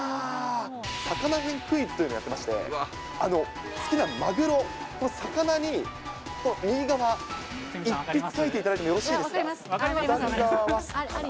魚へんクイズというのをやってまして、好きなマグロ、魚に右側、一筆書いていただいてもよろしいですか。